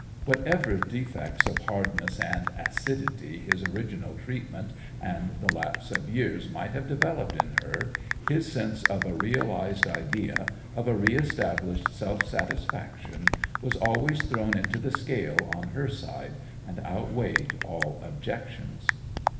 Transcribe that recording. Whatever defects of hardness and acidity his original treatment and the lapse of years might have developed in her, his sense of a realized idea, of a re established self satisfaction, was always thrown into the scale on her side, and out weighed all objections.